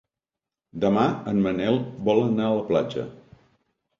Demà en Manel vol anar a la platja.